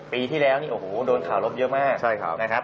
ปีที่แล้วเนี่ยโอ้โหโดนข่าวลบเยอะมาก